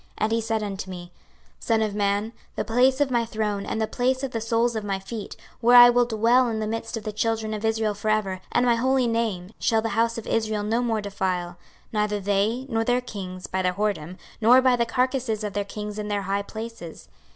26:043:007 And he said unto me, Son of man, the place of my throne, and the place of the soles of my feet, where I will dwell in the midst of the children of Israel for ever, and my holy name, shall the house of Israel no more defile, neither they, nor their kings, by their whoredom, nor by the carcases of their kings in their high places.